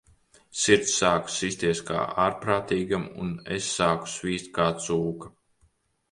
Sirds sāka sisties kā ārprātīgam, un es sāku svīst kā cūka.